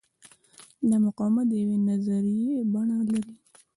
دا مقاومت د یوې نظریې بڼه لري.